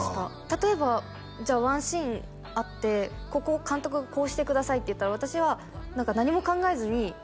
例えばじゃあワンシーンあってここを監督がこうしてくださいって言ったら私は何か何も考えずに「はい」って言ってやっちゃうんですけど